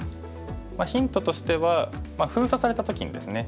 ヒントとしては封鎖された時にですね